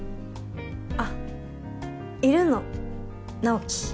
あっいるの直木